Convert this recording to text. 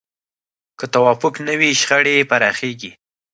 که توافق نه وي، شخړې پراخېږي.